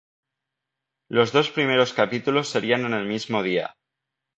Los dos primeros capítulos serían en el mismo día.